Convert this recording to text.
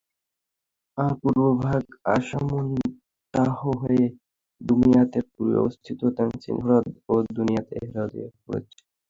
আর পূর্বভাগ আশমূনতান্নাহ হয়ে দুমিয়াতের পূর্বে অবস্থিত তান্নীস হ্রদ ও দুমিয়াত হ্রদে পড়েছে।